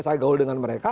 saya gaul dengan mereka